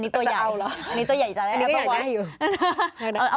นี่ตัวใหญ่อันนี้ก็ใหญ่อยู่